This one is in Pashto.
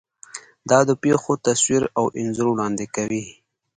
دا د پېښو تصویر او انځور وړاندې کوي.